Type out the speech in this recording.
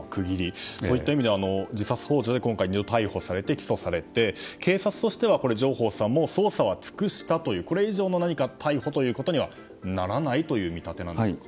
そういった意味で自殺幇助で２度逮捕されて起訴されて警察としては上法さん捜査は尽くしたとこれ以上の逮捕ということにはならないという見立てなんでしょうか。